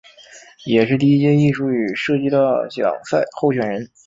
也是第一届艺术与设计大奖赛候选人。